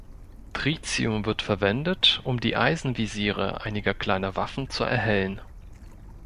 Tritium wird verwendet, um die Eisenvisire einiger kleiner Waffen zu erhellen.